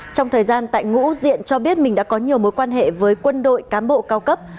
trong thời gian tại ngũ diện cho biết mình đã có nhiều mối quan hệ với quân đội cán bộ cao cấp